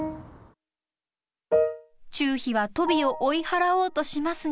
チュウヒはトビを追い払おうとしますが。